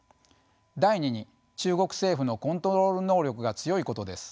第２に中国政府のコントロール能力が強いことです。